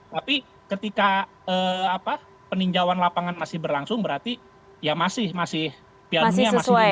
tapi ketika peninjauan lapangan masih berlangsung berarti ya masih masih pianunya masih di indonesia